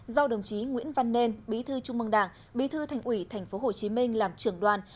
do đồng chí nguyễn văn nên bí thư trung mương đảng bí thư thành ủy tp hcm làm trưởng đoàn